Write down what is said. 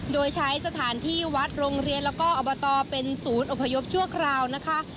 โดยใช้สถานที่วัดโรงเรียนแล้วก็อบตเป็นศูนย์อพยพชั่วคราวนะคะ